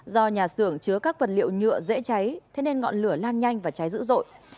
do nhà xưởng chứa các vật liệu nhựa dễ cháy thế nên ngọn lửa lan nhanh và cháy dữ dội